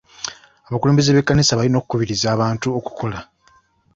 Abakulembeze b'ekkanisa balina okukubiriza abantu okukola.